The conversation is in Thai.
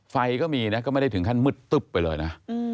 ก็มีนะก็ไม่ได้ถึงขั้นมืดตึ๊บไปเลยนะ